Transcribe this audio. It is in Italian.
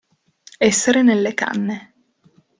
Essere nelle canne.